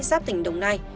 giáp tỉnh đồng nai